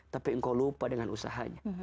tapi engkau lupa dengan usahanya